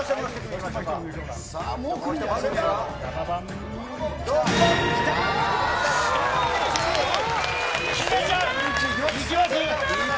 いきます。